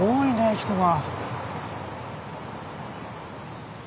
人が。